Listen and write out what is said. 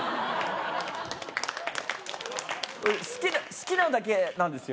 好きなだけなんですよ。